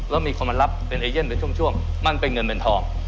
แล้วมีคนมารับเป็นเอเย่นเป็นช่วงมันเป็นเงินเป็นทอง